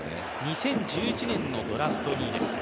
２０１１年のドラフト２位です